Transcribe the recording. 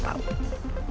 asal kamu tau